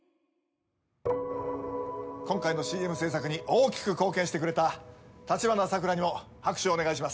今回のＣＭ制作に大きく貢献してくれた立花さくらにも拍手をお願いします。